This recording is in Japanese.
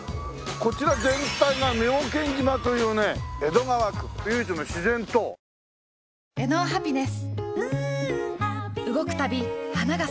こちら全体が妙見島というね江戸川区唯一の自然島。おはようございます。